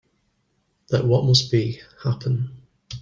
Let what must be, happen.